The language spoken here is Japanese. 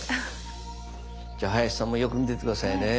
じゃあ林さんもよく見ていて下さいね。